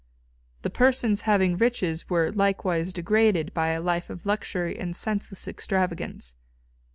The persons having riches were likewise degraded by a life of luxury and senseless extravagance.